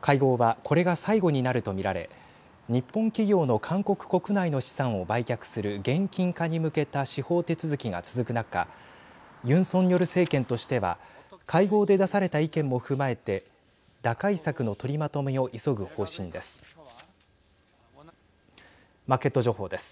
会合はこれが最後になると見られ日本企業の韓国国内の資産を売却する現金化に向けた司法手続きが続く中ユン・ソンニョル政権としては会合で出された意見も踏まえて打開策の取りまとめを急ぐ方針です。